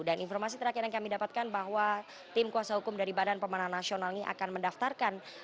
dan informasi terakhir yang kami dapatkan bahwa tim kuasa hukum dari bpn ini akan mendaftarkan